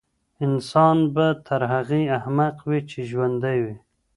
انسان به تر هغې احمق وي چي ژوندی وي.